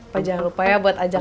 pak jangan lupa ya buat ajak